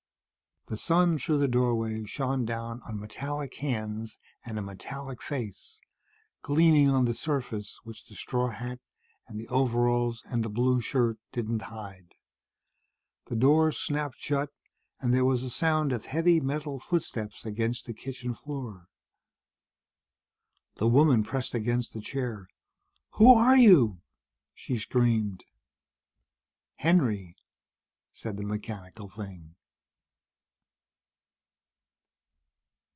The sun through the doorway shone down on metallic hands and a metallic face, gleaming on the surface which the straw hat and the overalls and the blue shirt didn't hide. The door snapped shut, and there was a sound of heavy metal footsteps against the kitchen floor. The woman pressed against her chair. "Who are you?" she screamed. "Henry," said the mechanical thing.